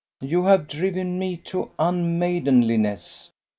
you have driven me to unmaidenliness!